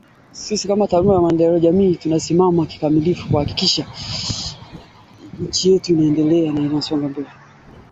Lakini kampuni hizo zinasema wanadai zaidi ya shilingi bilioni ishirini za Kenya, dola milioni mia sabini na tatu.